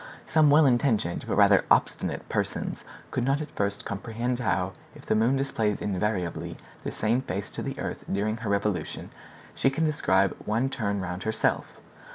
Some well intentioned, but rather obstinate persons, could not at first comprehend how, if the moon displays invariably the same face to the earth during her revolution, she can describe one turn round herself.